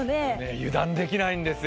油断できないんですよ。